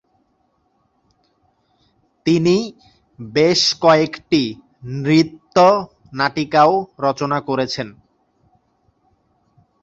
তিনি বেশ কয়েকটি নৃত্য-নাটিকাও রচনা করেছেন।